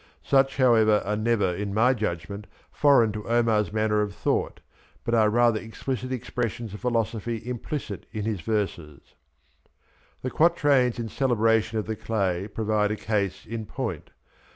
Such, however, are never, in my judgment, foreign to Omars man ner of thought, but are rather explicit expressions of philosophy im plicit in his verses, The quatrains in celebration of the clay provide a case in point.